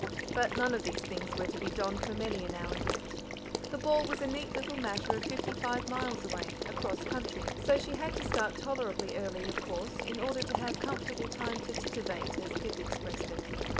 But none of these things were to be donned for many an hour yet. The ball was a neat little matter of fifty five miles away, across country, so she had to start tolerably early, of course, in order to have comfortable time to "titivate," as Pip expressed it.